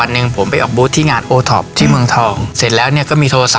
๗๑๑อันนี้เขาติดต่อเรามาเองแล้วนะ